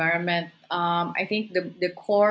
tentang alam sekitar saya pikir